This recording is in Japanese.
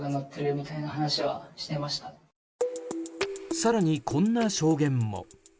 更に、こんな証言も。